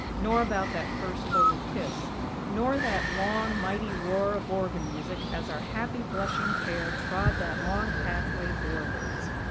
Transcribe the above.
Nor about that first Holy kiss; nor that long, mighty roar of organ music, as our happy, blushing pair trod that long pathway, doorwards.